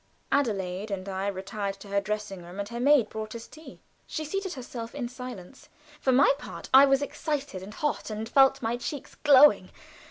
Adelaide and I retired to her dressing room, and her maid brought us tea. She seated herself in silence. For my part, I was excited and hot, and felt my cheeks glowing.